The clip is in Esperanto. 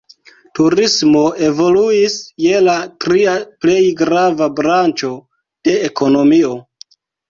Turismo evoluis je la tria plej grava branĉo de ekonomio.